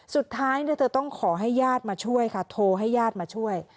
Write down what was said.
สุดท้ายเธอต้องขอให้ญาติมาช่วยค่ะโทรให้ญาติมาช่วย